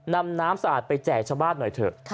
นำน้ำสะอาดไปแจกชาวบ้านหน่อยเถอะ